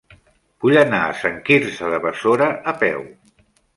Vull anar a Sant Quirze de Besora a peu.